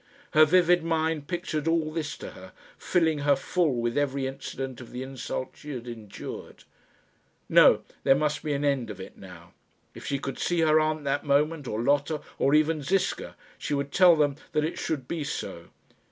Her vivid mind pictured all this to her, filling her full with every incident of the insult she had endured. No. There must be an end of it now. If she could see her aunt that moment, or Lotta, or even Ziska, she would tell them that it should be so.